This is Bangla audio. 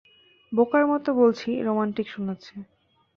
বোকার মতো বলছি, রোমান্টিক শোনাচ্ছে।